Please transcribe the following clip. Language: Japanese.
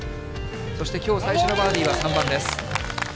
そして、きょう最初のバーディーは３番です。